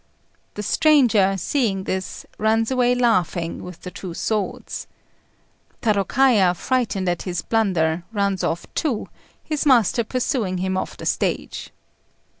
The stranger, seeing this, runs away laughing with the two swords. Tarôkaja, frightened at his blunder, runs off too, his master pursuing him off the stage.